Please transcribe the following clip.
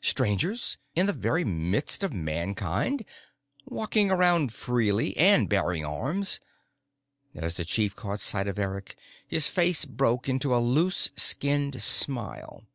Strangers in the very midst of Mankind! Walking around freely and bearing arms! As the chief caught sight of Eric, his face broke into a loose skinned smile.